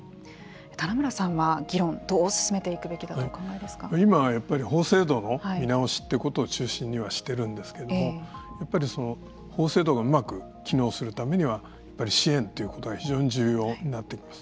棚村さんは、議論どう進めていくべきだと今、やっぱり法制度の見直しってことを中心にはしてるんですけども法制度がうまく機能するためには支援っていうことは非常に重要になってきます。